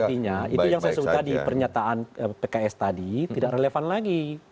artinya itu yang saya sebut tadi pernyataan pks tadi tidak relevan lagi